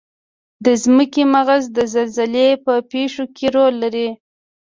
د ځمکې مغز د زلزلې په پیښو کې رول لري.